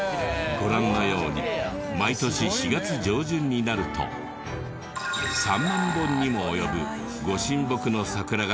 ご覧のように毎年４月上旬になると３万本にも及ぶ御神木の桜が咲き誇る吉野山。